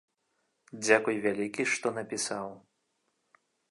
Дзякуй вялікі, што напісаў.